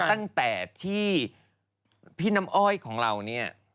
ตั้งแต่ที่พี่น้ำอ้อยของเราเนี่ย